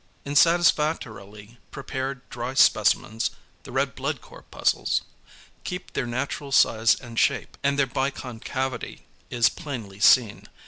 In satisfactorily prepared dry specimens =the red blood corpuscles= keep their natural size and shape, and their biconcavity is plainly seen.